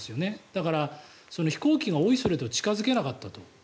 だから、飛行機がおいそれと近付けなかったと。